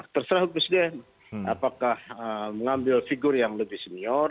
terserah presiden apakah mengambil figur yang lebih senior